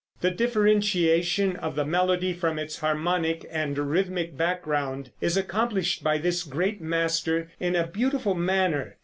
The differentiation of the melody from its harmonic and rhythmic background is accomplished by this great master in a beautiful manner.